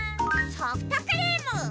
ソフトクリーム！